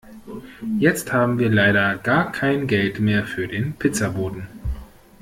Jetzt haben wir leider gar kein Geld mehr für den Pizzaboten.